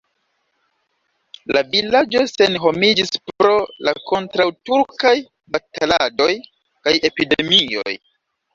La vilaĝo senhomiĝis pro la kontraŭturkaj bataladoj kaj epidemioj.